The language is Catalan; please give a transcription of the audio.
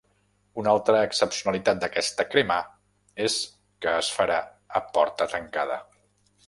Una altra excepcionalitat d’aquesta cremà, és que es farà a porta tancada.